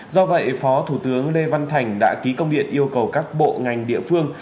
do vậy phó thủ tướng lê văn thành đã ký công điện yêu cầu các bộ ngành địa phương